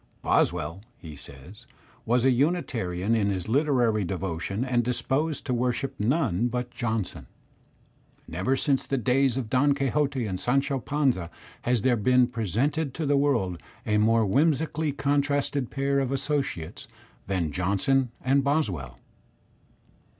"Boswell," he says, "was a unitarian in his lit erary devotion and disposed to worship none but Johnson." Digitized by Google mVING 29 *^ Never since the days of Don Quixote and Sancho Panza has^ there been presented to the world a more whimsically contrasted pair of associates than Johnson and Boswell."